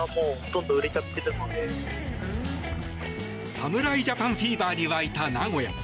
侍ジャパンフィーバーに沸いた名古屋。